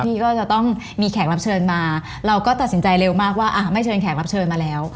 ที่ก็จะต้องมีแขกรับเชิญมาเราก็ตัดสินใจเร็วมากว่าไม่เชิญแขกรับเชิญมาแล้ว